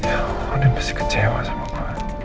andien pasti kecewa sama gue